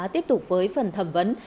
tiếp tục với phần thẩm vấn